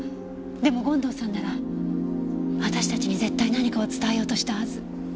でも権藤さんなら私たちに絶対何かを伝えようとしたはず。